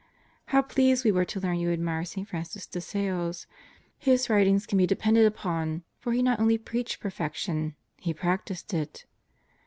How pleased we were to learn you admire St. Francis de Sales. His writings can be depended upon; for he not only preached perfection, he practiced it.